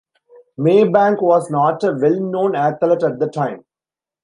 Maybank was not a well-known athlete at the time.